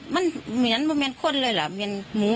ไม่สงสารลูก